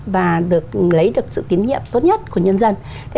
và được lấy được sự tín nhiệm tốt nhất của nhân dân